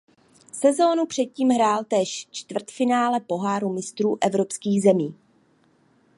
Sezónu předtím hrál též čtvrtfinále Poháru mistrů evropských zemí.